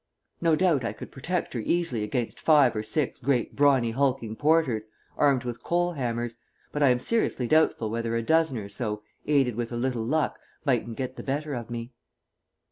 No doubt I could protect her easily against five or six great brawny hulking porters ... armed with coal hammers ... but I am seriously doubtful whether a dozen or so, aided with a little luck, mightn't get the better of me.